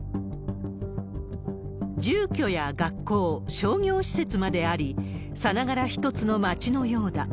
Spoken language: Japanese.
住居や学校、商業施設まであり、さながら一つの町のようだ。